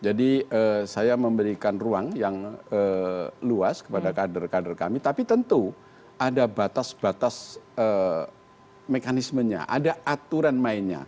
jadi saya memberikan ruang yang luas kepada kader kader kami tapi tentu ada batas batas mekanismenya ada aturan mainnya